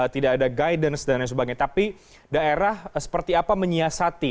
tidak ada guidance dan lain sebagainya tapi daerah seperti apa menyiasati